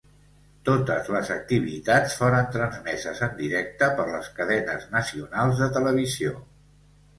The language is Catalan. Totes les activitats foren transmeses en directe per les cadenes nacionals de televisió.